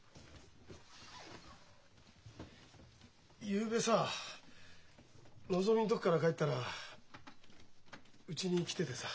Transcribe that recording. ゆうべさのぞみんとこから帰ったらうちに来ててさ。